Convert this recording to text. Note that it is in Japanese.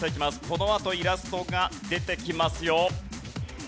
このあとイラストが出てきますよ。